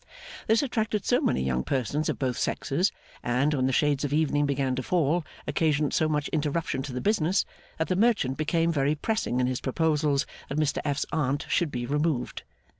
This attracted so many young persons of both sexes, and, when the shades of evening began to fall, occasioned so much interruption to the business, that the merchant became very pressing in his proposals that Mr F.'s Aunt should be removed.